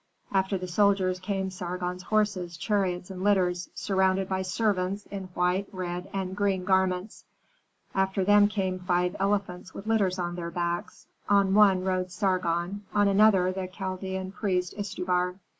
After the soldiers came Sargon's horses, chariots, and litters, surrounded by servants in white, red, and green garments. After them came five elephants with litters on their backs; on one rode Sargon, on another the Chaldean priest Istubar.